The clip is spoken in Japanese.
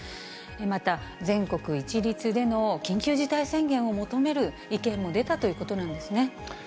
また、全国一律での緊急事態宣言を求める意見も出たということなんです